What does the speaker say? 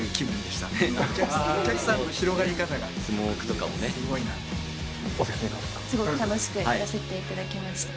すごい楽しくやらせていただきました。